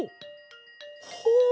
ほう。